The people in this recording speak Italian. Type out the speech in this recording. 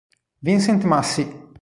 Vincent Massey